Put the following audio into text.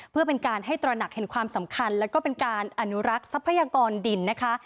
เพื่อเป็นการให้ตระหนักเห็นความสำคัญแล้วก็เป็นการอนุรักษ์ทรัพยากรดินนะคะ